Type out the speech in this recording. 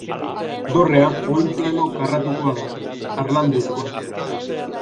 Dorrea oinplano karratukoa da, harlanduzkoa.